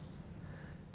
yang kedua ada potensi